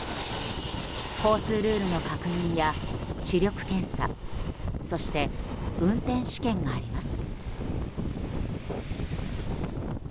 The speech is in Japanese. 交通ルールの確認や視力検査そして、運転試験があります。